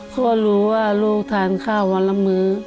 พ่อรู้ว่าลูกทานข้าววันละมื้อ